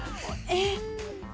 えっ。